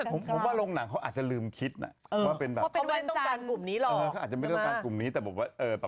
ต้องลงใหม่เขาขายให้เขาไปได้หรอ